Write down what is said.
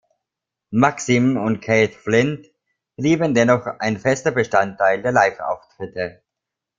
Maxim und Keith Flint blieben dennoch ein fester Bestandteil der Live-Auftritte.